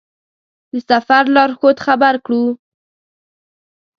د سفر لارښود خبر کړو.